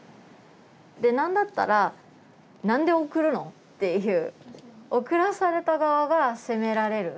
でなんだったら「なんで送るの？」っていう送らされた側が責められる。